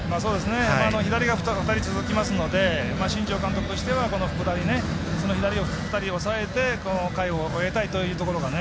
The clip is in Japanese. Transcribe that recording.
左が２人続きますので新庄監督としては福田に左２人を抑えてこの回を終えたいというところが。